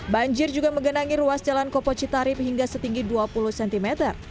banjir juga menggenangi ruas jalan kopo citarip hingga setinggi dua puluh cm